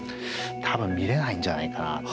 多分見れないんじゃないかな。